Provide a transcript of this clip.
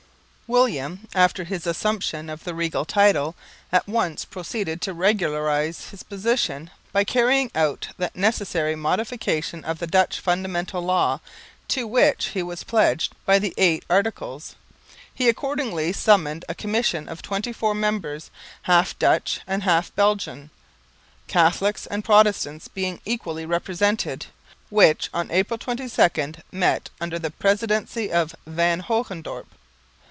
William, after his assumption of the regal title, at once proceeded to regularise his position by carrying out that necessary modification of the Dutch Fundamental Law to which he was pledged by the Eight Articles. He accordingly summoned a Commission of twenty four members, half Dutch and half Belgian, Catholics and Protestants being equally represented, which on April 22 met under the presidency of Van Hogendorp.